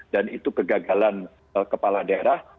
dan itu kegagalan kepala daerah